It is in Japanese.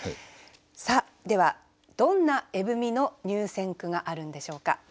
さあではどんな「絵踏」の入選句があるんでしょうか。